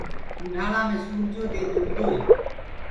اونڍآݪآ مي سورجو دي دُبدوئي۔